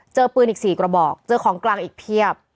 เจอปืนอีก๔กระบอกเจอของกลางอีกเพียบ